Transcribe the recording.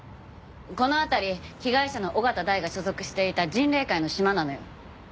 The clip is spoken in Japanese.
この辺り被害者の緒方大が所属していた迅嶺会のシマなのよ。